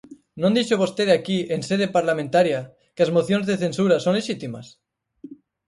¿Non dixo vostede aquí en sede parlamentaria que as mocións de censura son lexítimas?